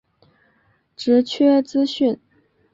职缺资讯